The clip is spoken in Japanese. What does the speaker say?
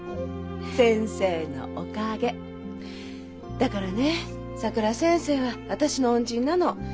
だからねさくら先生は私の恩人なの。